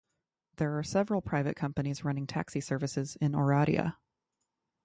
There are several private companies running taxi services in Oradea.